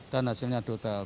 dan hasilnya di hotel